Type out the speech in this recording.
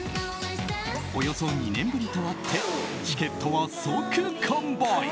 およそ２年ぶりとあってチケットは即完売。